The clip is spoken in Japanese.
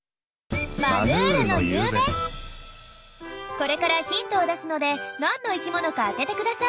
これからヒントを出すのでなんの生きものか当ててください。